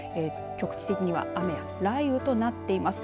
局地的には雨や雷雨となっています。